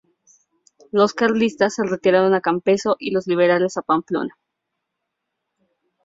Los carlistas se retiraron a Campezo y los liberales a Pamplona.